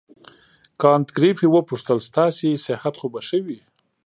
کانت ګریفي وپوښتل ستاسې صحت خو به ښه وي.